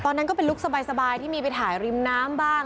ตอนนั้นก็เป็นลุคสบายที่มีไปถ่ายริมน้ำบ้าง